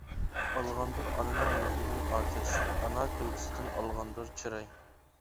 ئالغاندۇر ئانىنىڭ مېھرىدىن ئاتەش، ئانا كۈلكىسىدىن ئالغاندۇر چىراي.